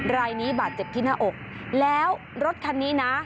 รายนี้บาดเจ็บที่หน้าอกแล้วรถคันนี้นะ